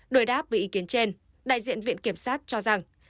đổi đáp với ý kiến trên đại diện viện kiểm sát cho rằng